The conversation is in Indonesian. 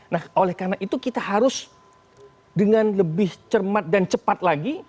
nah oleh karena itu kita harus dengan lebih cermat dan cepat lagi